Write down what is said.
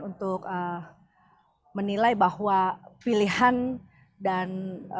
untuk menilai bahwa pilihan dan